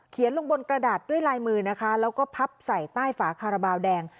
ลงบนกระดาษด้วยลายมือนะคะแล้วก็พับใส่ใต้ฝาคาราบาลแดง